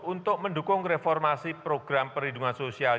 untuk mendukung reformasi program perlindungan sosial